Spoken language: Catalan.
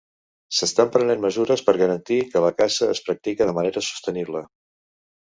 S'estan prenent mesures per garantir que la caça es practica de manera sostenible.